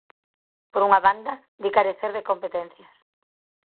Por unha banda, di carecer de competencias.